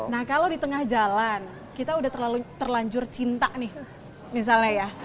nah kalau di tengah jalan kita udah terlalu terlanjur cinta nih misalnya ya